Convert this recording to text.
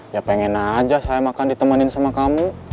ya pengen aja saya makan ditemenin sama kamu